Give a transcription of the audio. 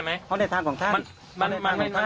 ใช่ไหมเนี่ยรูปปั้นอะไรต่าง